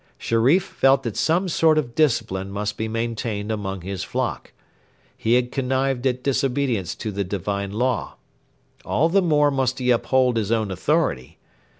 Sherif felt that some sort of discipline must be maintained among his flock. He had connived at disobedience to the divine law. All the more must he uphold his own authority.